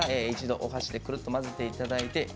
一度お箸でくるっと混ぜていただいて。